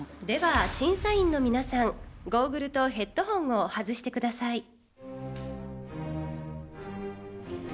では審査員の皆さんゴーグルとヘッドホンを外してください。